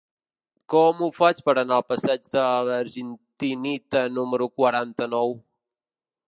Com ho faig per anar al passeig de l'Argentinita número quaranta-nou?